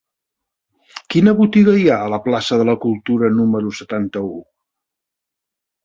Quina botiga hi ha a la plaça de la Cultura número setanta-u?